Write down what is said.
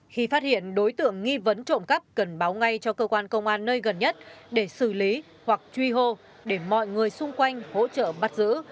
khi phát hiện đối tượng nghi vấn trộm cắp cần báo ngay cho cơ quan công an nơi gần nhất để xử lý hoặc truy hô để mọi người xung quanh hỗ trợ bắt giữ